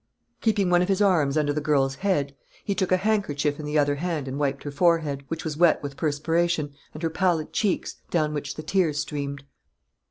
Keeping one of his arms under the girl's head, he took a handkerchief in the other hand and wiped her forehead, which was wet with perspiration, and her pallid cheeks, down which the tears streamed.